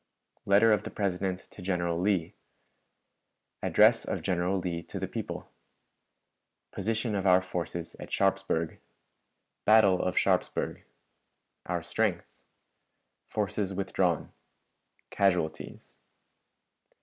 Letter of the President to General Lee. Address of General Lee to the People. Position of our Forces at Sharpsburg. Battle of Sharpsburg. Our Strength. Forces withdrawn. Casualties.